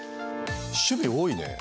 趣味多いね。